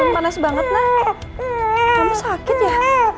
panas banget nak kamu sakit ya